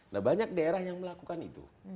nah banyak daerah yang melakukan itu